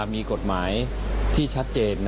มีกฎหมายที่ชัดเจน